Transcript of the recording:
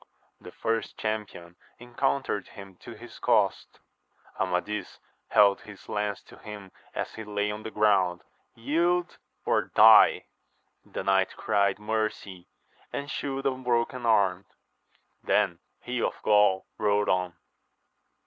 The first champion encountered him to his cost. Amadis held his lance to him as he lay on the ground, Yield or die ! The knight cried, Mercy 1 and shewed a broken arm : then he of Gaul rode on.